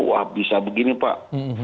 wah bisa begini pak